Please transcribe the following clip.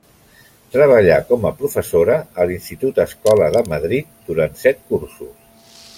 Treballà com a professora a l'Institut-Escola de Madrid durant set cursos.